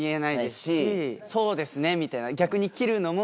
「そうですね」みたいな。